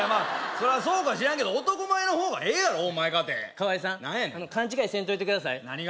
そりゃそうかもしらんけど男前の方がええやろお前かて河井さん何やねんな勘違いせんといてください何が？